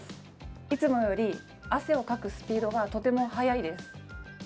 いつもより汗をかくスピードがとても早いです。